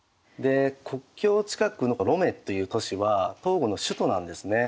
国境近くのロメっていう都市はトーゴの首都なんですね。